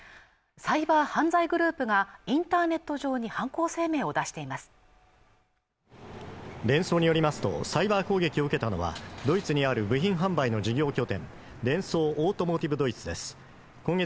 サイバー犯罪グループがインターネット上に犯行声明を出していますデンソーによりますとサイバー攻撃を受けたのはドイツにある部品販売の事業拠点デンソー・オートモーティブ・ドイツです